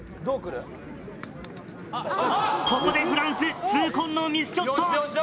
ここでフランス痛恨のミスショット。